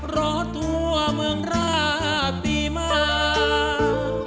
ร้องรถทั่วเมืองราดดีมาก